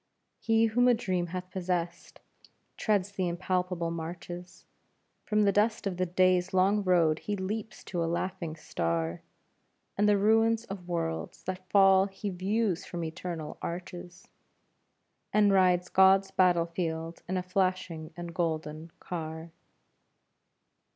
He whom a dream hath possessed treads the impalpable marches, From the dust of the day's long road he leaps to a laughing star, And the ruin of worlds that fall he views from eternal arches, And rides God's battlefield in a flashing and golden car.